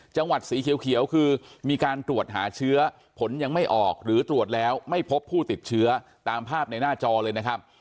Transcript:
จังหวัดสีเขียวคือมีการตรวจหาเชื้อผลยังไม่ออกหรือตรวจแล้วไม่พบผู้ติดเชื้อตามภาพในหน้าจอเลยนะครับ